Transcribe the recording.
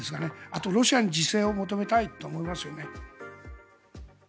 あと、ロシアに自制を求めたいと思いますよね。